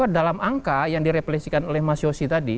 dalam angka yang direpresikan oleh mas yosi tadi